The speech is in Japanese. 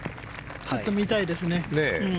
ちょっと見たいですね。